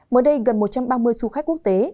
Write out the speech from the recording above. mới đây gần một trăm ba mươi du khách quốc tế